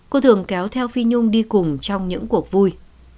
cô thường kéo theo phi nhung đi cùng trong những cuộc vui